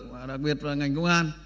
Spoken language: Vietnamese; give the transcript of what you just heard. và đặc biệt là ngành công an